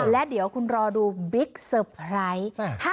และเดี๋ยวคุณรอดูบิ๊กเซอร์ไพรส์